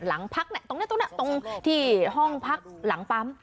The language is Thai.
หลังพักตรงนี้ตรงนี้ตรงที่ห้องพักหลังปั๊ม